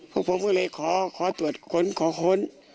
เพราะผมก็เลยขอตรวจขนขอโข้น